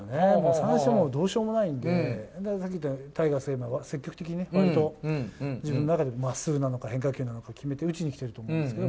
三振はもうどうしようもないんで、さっき言ったように、タイガースには積極的にね、わりと、自分の中でまっすぐなのか、変化球なのか決めて打ちにきてると思うんですよね。